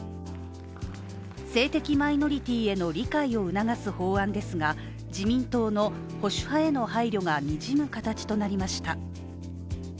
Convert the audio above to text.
性的マイノリティへの理解を促す法案ですが、自民党の保守派への配慮がにじむ形となりました。